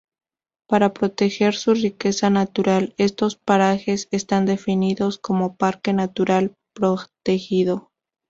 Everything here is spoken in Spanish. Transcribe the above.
Para proteger su riqueza natural estos parajes están definidos como parque natural protegido.